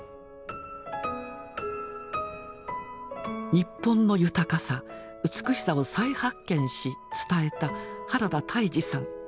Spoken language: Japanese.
日本の豊かさ美しさを再発見し伝えた原田泰治さん。